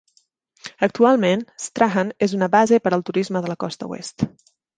Actualment, Strahan es una base per al turisme de la costa oest.